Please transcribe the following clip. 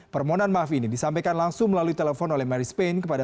permohonan maaf ini disampaikan langsung melalui telepon oleh mary spain kepada